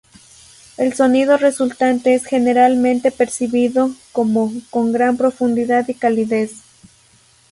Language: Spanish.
El sonido resultante es generalmente percibido como —con gran profundidad y calidez—.